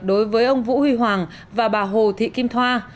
đối với ông vũ huy hoàng và bà hồ thị kim thoa